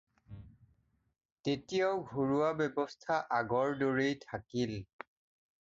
তেতিয়াও ঘৰুৱা ব্যৱস্থা আগৰ দৰেই থাকিল।